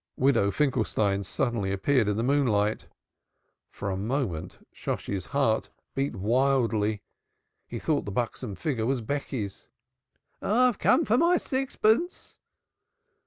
Widow Finkelstein suddenly appeared in the moonlight. For a moment Shosshi's heart beat wildly. He thought the buxom figure was Becky's. "I have come for my sixpence."